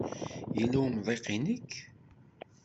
Yella umḍiq i nekk?